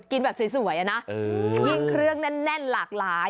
กินแบบสวยอะนะยิ่งเครื่องแน่นหลากหลาย